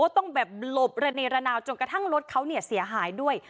ต้องแบบหลบระเนระนาวจนกระทั่งรถเขาเนี่ยเสียหายด้วย